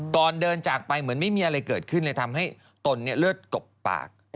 ก่อนเดินจากไปเหมือนไม่มีอะไรเกิดขึ้นเลยทำให้ตนเลือดกบปาก